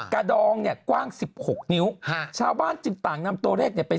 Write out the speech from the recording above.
กระดองเนี่ยกว้างสิบหกนิ้วอนด์จะต่างนำตัวเลขเนี่ย